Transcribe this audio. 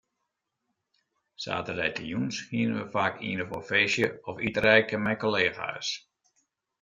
Saterdeitejûns hiene we faak ien of oar feestje of iterijke mei kollega's.